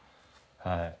はい。